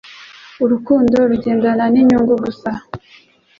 urukundo rugendana n'inyungu gusa